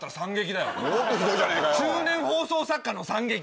中年放送作家の惨劇！